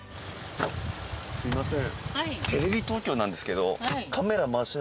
すみません。